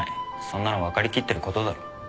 そんなの分かりきってることだろ